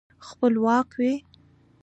خپلواک وي.